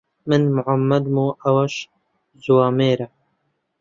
من محەممەدم و ئەوەش جوامێرە.